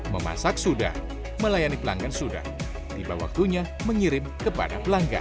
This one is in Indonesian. memasak sudah melayani pelanggan sudah tiba waktunya mengirim kepada pelanggan